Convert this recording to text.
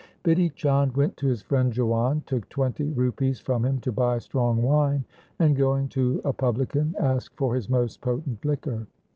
Bidhi Chand went to his friend Jiwan, took twenty rupees from him to buy strong wine, 1 and going to a publican asked for his most potent liquor.